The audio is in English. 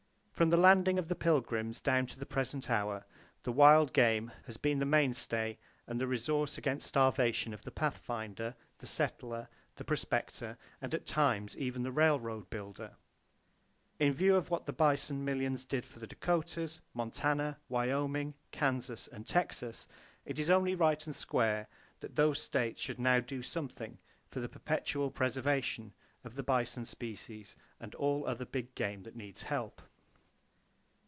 From the landing of the Pilgrims down to the present hour the wild game has been the mainstay and the resource against starvation of the pathfinder, the settler, the prospector, and at times even the railroad builder. In view of what the bison millions did for the Dakotas, Montana, Wyoming, Kansas and Texas, it is only right and square that those states should now do something for the perpetual preservation of the bison species and all other big game that needs help.